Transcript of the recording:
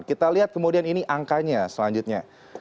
kita lihat kemudian ini angkanya selanjutnya